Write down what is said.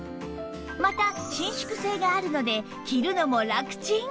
また伸縮性があるので着るのもラクチン